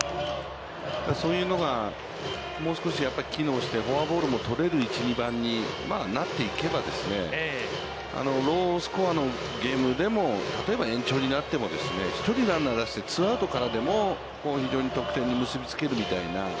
そういうのがもう少し機能して、フォアボールも取れる１、２番になっていけば、ロースコアのゲームでも、例えば、延長になっても、１人ランナーを出してツーアウトからでも、非常に得点に結びつけるみたいな。